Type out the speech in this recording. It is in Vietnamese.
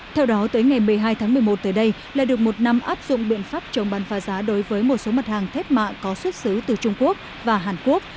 theo đó tới ngày một mươi hai tháng một mươi một tới đây lại được một năm áp dụng biện pháp chống bán phá giá đối với một số mặt hàng thép mạ có xuất xứ từ trung quốc và hàn quốc